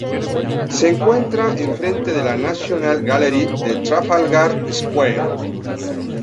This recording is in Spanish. Se encuentra en frente de la National Gallery en Trafalgar Square.